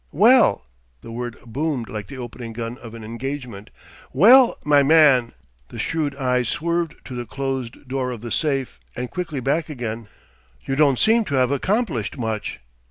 "Well!" the word boomed like the opening gun of an engagement "Well, my man!" the shrewd eyes swerved to the closed door of the safe and quickly back again "you don't seem to have accomplished much!"